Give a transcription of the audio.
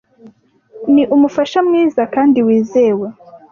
Ni umufasha mwiza kandi wizewe.